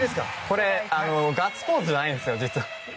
これ、ガッツポーズじゃないんですよ、実は。